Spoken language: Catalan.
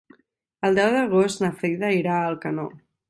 El deu d'agost na Frida irà a Alcanó.